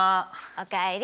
お帰り。